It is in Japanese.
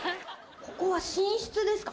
ここは寝室ですか？